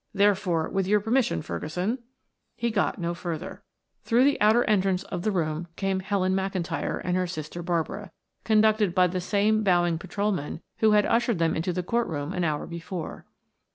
Therefore, with your permission, Ferguson" He got no further. Through the outer entrance of the room came Helen McIntyre and her sister Barbara, conducted by the same bowing patrolman who had ushered them into the court room an hour before.